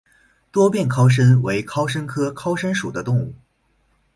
多变尻参为尻参科尻参属的动物。